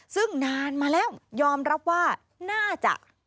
ซึ่งนานมาแล้วยอมรับว่าน่าจะ